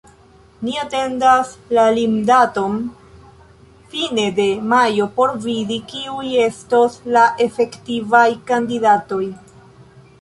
Ni atendas la limdaton fine de majo por vidi, kiuj estos la efektivaj kandidatoj.